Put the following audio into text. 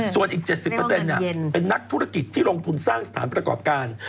ส่วนอีก๗๐เป็นนักธุรกิจที่ลงทุนสร้างสถานประกอบการ